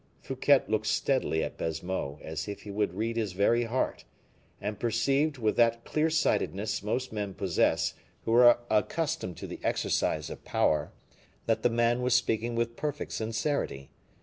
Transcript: Fouquet looked steadily at Baisemeaux, as if he would read his very heart; and perceived, with that clear sightedness most men possess who are accustomed to the exercise of power, that the man was speaking with perfect sincerity.